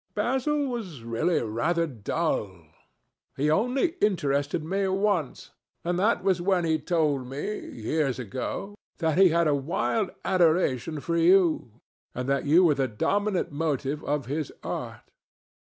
Basil was really rather dull. He only interested me once, and that was when he told me, years ago, that he had a wild adoration for you and that you were the dominant motive of his art."